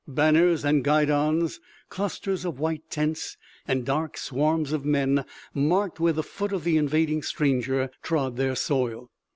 Banners and guidons, clusters of white tents, and dark swarms of men marked where the foot of the invading stranger trod their soil.